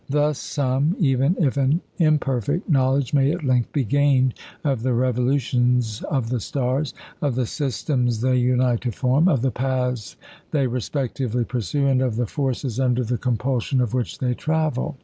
Thus some, even if an imperfect, knowledge may at length be gained of the revolutions of the stars of the systems they unite to form, of the paths they respectively pursue, and of the forces under the compulsion of which they travel.